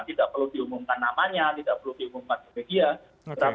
tidak perlu diumumkan namanya tidak perlu diumumkan sebagian